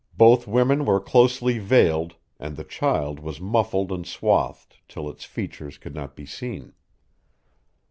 Both women were closely veiled, and the child was muffled and swathed till its features could not be seen.